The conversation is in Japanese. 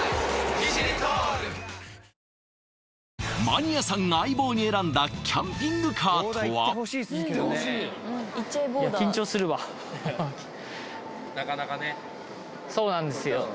マニアさんが相棒に選んだキャンピングカーとはなかなかねそうなんですよ